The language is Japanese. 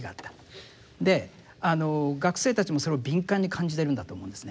で学生たちもそれを敏感に感じてるんだと思うんですね。